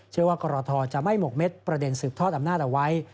กรทจะไม่หมกเม็ดประเด็นสืบทอดอำนาจเอาไว้